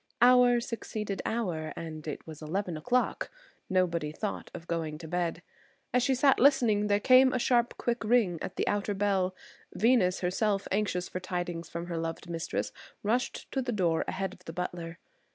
Hour succeeded hour and it was eleven o'clock; nobody thought of going to bed. As she sat listening there came a sharp quick ring at the outer bell. Venus herself, anxious for tidings from her loved mistress, rushed to the door ahead of the butler.